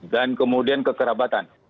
dan kemudian kekerabatan